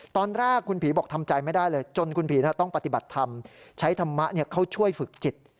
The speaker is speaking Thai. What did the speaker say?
ตอนแรกคุณผีบอกทำใจไม่ได้เลยจนคุณผีต้องปฏิบัติธรรมใช้ธรรมะเข้าช่วยฝึกจิต